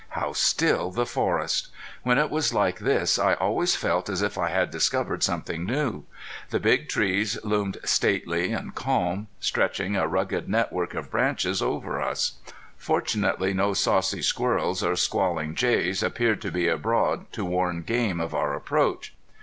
How still the forest! When it was like this I always felt as if I had discovered something new. The big trees loomed stately and calm, stretching a rugged network of branches over us. Fortunately no saucy squirrels or squalling jays appeared to be abroad to warn game of our approach.